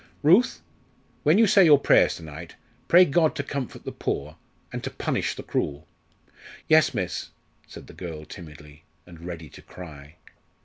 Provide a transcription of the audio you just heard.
"Ruth, when you say your prayers to night, pray God to comfort the poor, and to punish the cruel!" "Yes, miss," said the girl, timidly, and ready to cry.